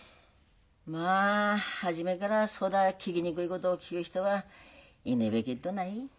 まあ初めからそだ聞きにくいことを聞く人はいねえべけっどない。